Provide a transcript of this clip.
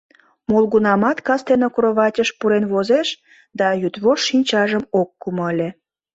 Молгунамат кастене кроватьыш пурен возеш да йӱдвошт шинчажым ок кумо ыле.